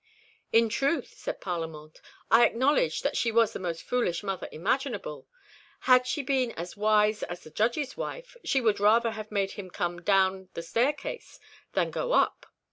"In truth," said Parlamente, "I acknowledge that she was the most foolish mother imaginable; had she been as wise as the Judge's wife, she would rather have made him come down the staircase than go up.